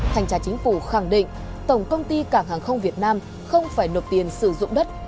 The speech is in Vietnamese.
thanh tra chính phủ khẳng định tổng công ty cảng hàng không việt nam không phải nộp tiền sử dụng đất